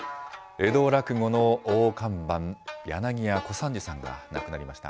江戸落語の大看板、柳家小三治さんが亡くなりました。